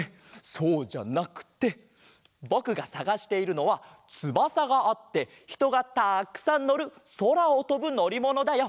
そうじゃなくてぼくがさがしているのはつばさがあってひとがたくさんのるそらをとぶのりものだよ。